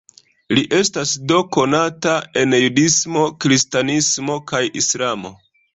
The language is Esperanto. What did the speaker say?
Li estas do konata en judismo, kristanismo kaj islamo.